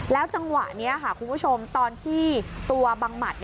จังหวะนี้ค่ะคุณผู้ชมตอนที่ตัวบังหมัด